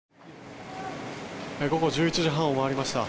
午後１１時半を回りました。